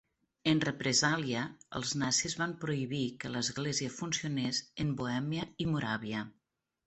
En represàlia, els nazis van prohibir que l'església funcionés en Bohèmia i Moràvia.